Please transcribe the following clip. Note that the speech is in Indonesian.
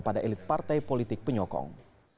pada elit partai politik penyokong